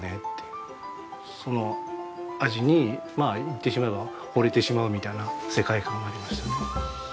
その味にまあ言ってしまえば惚れてしまうみたいな世界観がありましたね。